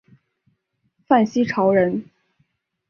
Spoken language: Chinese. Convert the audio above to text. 范希朝人。